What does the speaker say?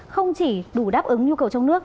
không chỉ đủ đáp ứng nhu cầu trong nước